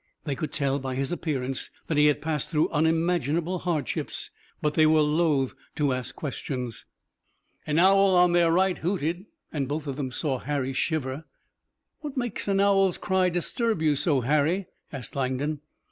They could tell by his appearance that he had passed through unimaginable hardships, but they were loath to ask questions. An owl on their right hooted, and both of them saw Harry shiver. "What makes an owl's cry disturb you so, Harry?" asked Langdon.